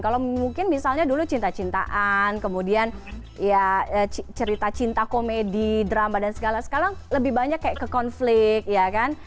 kalau mungkin misalnya dulu cinta cintaan kemudian ya cerita cinta komedi drama dan segala sekarang lebih banyak kayak ke konflik ya kan